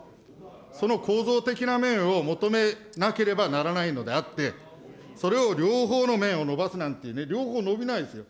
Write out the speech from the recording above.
その構造的な面を求めなければならないのであって、それを両方の面を伸ばすなんてね、両方伸びないですよ。